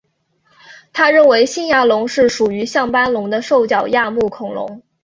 他认为新牙龙是属于像斑龙的兽脚亚目恐龙。